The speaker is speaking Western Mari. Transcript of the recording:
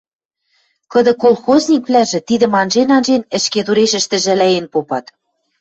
Кыды колхозниквлӓжӹ, тидӹм анжен-анжен, ӹшкедурешӹштӹ жӓлӓен попат: